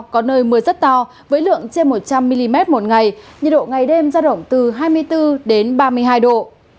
có nơi mưa rất to với lượng trên một trăm linh mm một ngày nhiệt độ ngày đêm ra động từ hai mươi bốn đến ba mươi hai độ